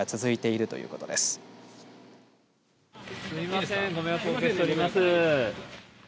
すいません、ご迷惑をおかけしております。